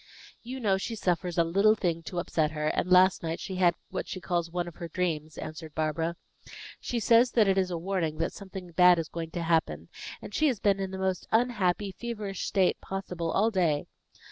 "You know she suffers a little thing to upset her; and last night she had what she calls one of her dreams," answered Barbara. "She says that it is a warning that something bad is going to happen, and she has been in the most unhappy, feverish state possible all day.